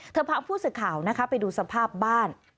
พาผู้สื่อข่าวนะคะไปดูสภาพบ้าน